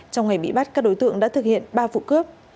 trong ngày bị bắt các đối tượng đã thực hiện ba vụ cướp